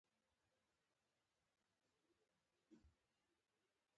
وایي خره ته یې زور نه رسېږي، کتې ته یې سوټي ایستلي دي.